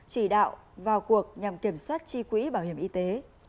chỉ đạo vào cuộc nhằm kiểm soát chi quỹ bảo hiểm y tế